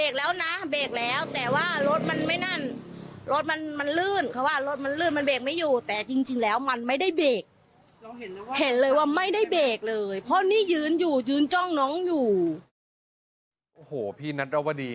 นี่นี่นี่นี่นี่นี่นี่นี่นี่นี่นี่นี่นี่นี่นี่นี่นี่